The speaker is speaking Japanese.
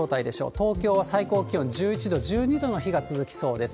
東京は最高気温１１度、１２度の日が続きそうです。